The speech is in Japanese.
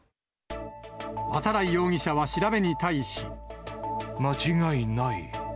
渡来容疑者は調べに対し。間違いない。